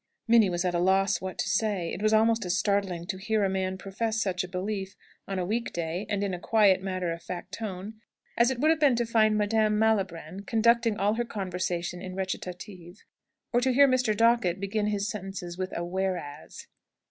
Minnie was at a loss what to say. It was almost as startling to hear a man profess such a belief on a week day, and in a quiet, matter of fact tone, as it would have been to find Madame Malibran conducting all her conversation in recitative, or to hear Mr. Dockett begin his sentences with a "whereas."